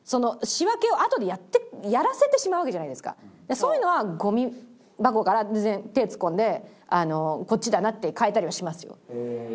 そういうのはゴミ箱から全然手を突っ込んでこっちだなって変えたりはしますよ。